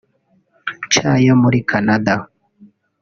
ca yo muri Canada